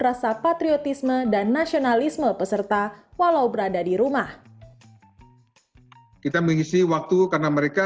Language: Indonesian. rasa patriotisme dan nasionalisme peserta walau berada di rumah kita mengisi waktu karena mereka